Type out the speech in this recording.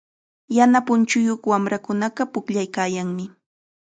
Yana punchuyuq wamrakunaqa pukllaykaayanmi.